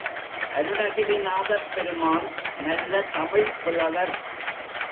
அருணகிரிநாதப் பெருமான் நல்ல தமிழ்ப் புலவர்.